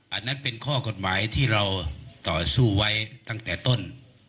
อันนั้นเป็นข้อกฎหมายที่เราต่อสู้ไว้ตั้งแต่ต้น